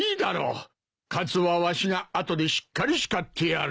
カツオはわしが後でしっかり叱ってやる。